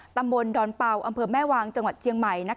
ตำบลดอนเป่าอำเภอแม่วางจังหวัดเชียงใหม่